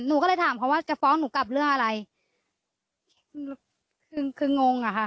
หนูก็เลยถามเขาว่าจะฟ้องหนูกลับเรื่องอะไรคือคืองงอ่ะค่ะ